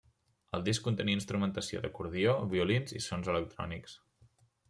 El disc contenia instrumentació d'acordió, violins i sons electrònics.